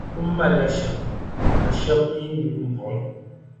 kum mali shɛba ka shɛb’ mi nyu m-buɣi.